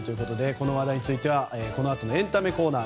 この話題についてはこのあとのエンタメコーナー